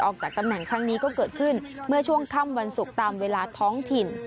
ออกจากตำแหน่งครั้งนี้ก็เกิดขึ้นเมื่อช่วงค่ำวันศุกร์ตามเวลาท้องถิ่น